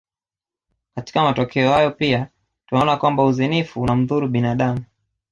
Katika matokeo hayo pia tunaona kwamba uzinifu unamdhuru binadamu